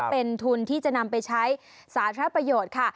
เป็นทุนที่จะนำไปใช้สาธารณประโยชน์ค่ะ